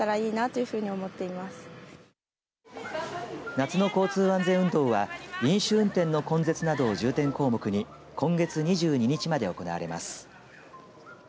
夏の交通安全運動は飲酒運転の根絶など重点項目に今月２２日まで行われます。